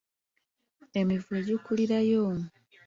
Emivule gikulirayo.